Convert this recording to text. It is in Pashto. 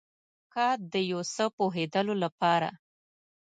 که د یو څه پوهیدلو لپاره